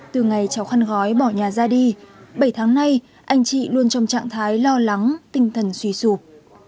từ ngày cháu khăn gói bỏ nhà ra đi bảy tháng nay anh chị luôn trong trạng thái lo lắng tinh thần suy sụp